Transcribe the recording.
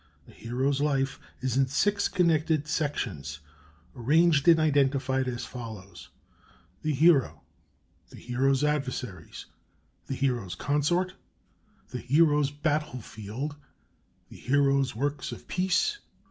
"A Hero's Life" is in six connected sections, arranged and identified as follows: 1. THE HERO 2. THE HERO'S ADVERSARIES 3. THE HERO'S CONSORT 4. THE HERO'S BATTLE FIELD 5. THE HERO'S WORKS OF PEACE 6.